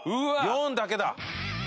４だけだ。